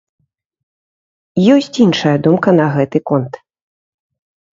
Ёсць іншая думка на гэты конт.